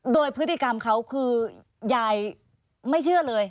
โดยพฤติกรรมเขาคือยายไม่เชื่อเลย